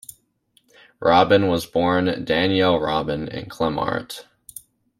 Robin was born Danielle Robin in Clamart.